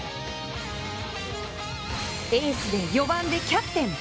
エースで４番でキャプテン。